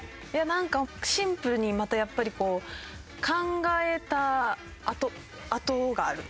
なんかシンプルにまたやっぱりこう考えた跡がある。